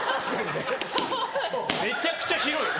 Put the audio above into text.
めちゃくちゃ広い。